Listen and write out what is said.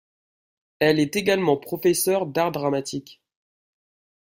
Elle est également professeur d'art dramatique.